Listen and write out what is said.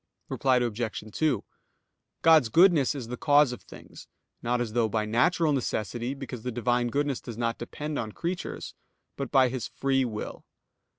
Reply Obj. 2: God's goodness is the cause of things, not as though by natural necessity, because the Divine goodness does not depend on creatures; but by His free will.